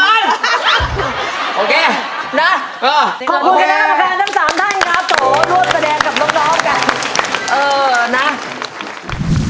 โหรวมแสดงกับน้องกัน